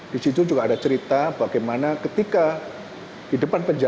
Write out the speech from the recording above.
di situ juga ada cerita bagaimana ketika di depan penjara